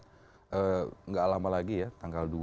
tidak lama lagi ya tanggal dua